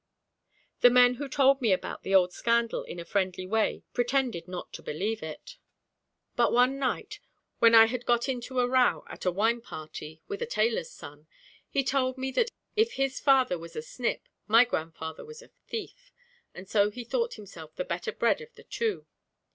The men who told me about the old scandal in a friendly way pretended not to believe it; but one night, when I had got into a row at a wine party with a tailor's son, he told me that if his father was a snip my grandfather was a thief, and so he thought himself the better bred of the two.